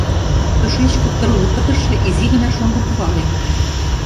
Тушеч куптыргыл пытыше изи гына шоҥго кува лекте.